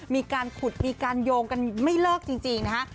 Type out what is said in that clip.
มีการขุดมีการโยงกันไม่เลิกจริงนะฮะ